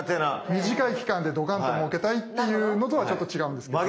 短い期間でどかんともうけたいっていうのとはちょっと違うんですけれども。